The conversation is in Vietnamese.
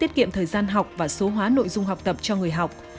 tiết kiệm thời gian học và số hóa nội dung học tập cho người học